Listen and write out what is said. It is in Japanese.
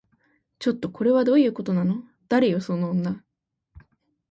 ちょっと、これはどういうことなの？誰よその女